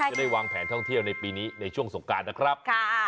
ได้วางแผนท่องเที่ยวในปีนี้ในช่วงสงการนะครับ